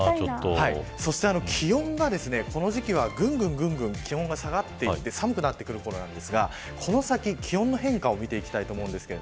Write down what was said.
そして、気温がこの時期はぐんぐん下がっていて寒くなるころですがこの先、気温の変化を見ていきたいと思います。